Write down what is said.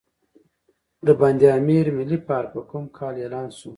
د بند امیر ملي پارک په کوم کال اعلان شو؟